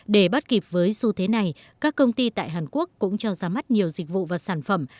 để bắt kịp với xu thế này các công ty tại hàn quốc cũng cho ra mắt nhiều dịch vụ và sản phẩm